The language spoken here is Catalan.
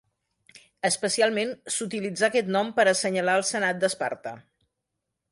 Especialment s'utilitzà aquest nom per assenyalar al senat d'Esparta.